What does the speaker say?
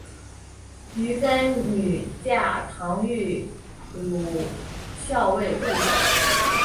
鱼干女嫁唐御侮校尉杜守。